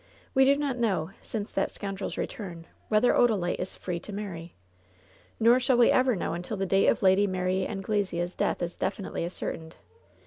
We do not know, since that scoundrel's return, whether Odalite is free to marry. Nor shall we ever know until the date of Lady Mary Anglesea's death is definitely ascertained.